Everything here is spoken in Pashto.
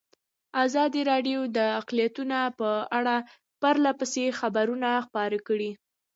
ازادي راډیو د اقلیتونه په اړه پرله پسې خبرونه خپاره کړي.